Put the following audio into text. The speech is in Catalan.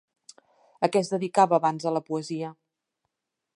A què es dedicava abans de la poesia?